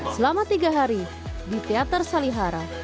selama tiga hari di teater salihara